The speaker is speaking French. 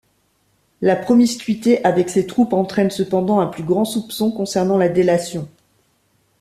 La promiscuité avec ces troupes entraîne cependant un plus grand soupçon concernant la délation.